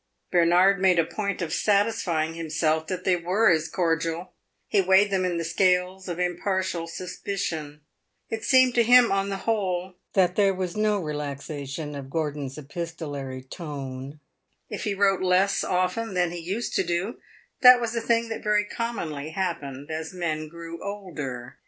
Bernard made a point of satisfying himself that they were as cordial; he weighed them in the scales of impartial suspicion. It seemed to him on the whole that there was no relaxation of Gordon's epistolary tone. If he wrote less often than he used to do, that was a thing that very commonly happened as men grew older.